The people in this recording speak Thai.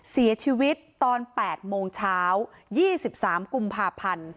เสียชีวิตตอน๘โมงเช้า๒๓กุมภาพันธ์